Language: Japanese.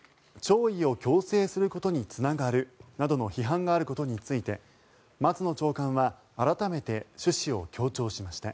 弔意を強制することにつながるなどの批判があることについて松野長官は改めて趣旨を強調しました。